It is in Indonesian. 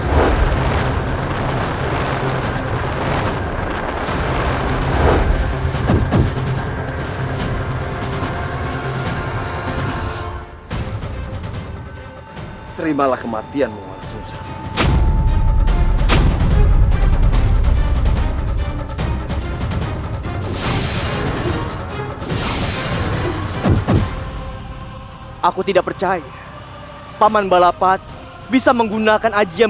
hai terimalah kematianmu langsung aku tidak percaya paman balapati bisa menggunakan ajian